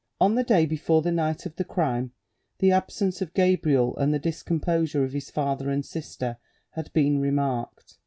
On the day before the night of the crime, the absence of Gabriel and the discomposure of his father and sister had been remarked.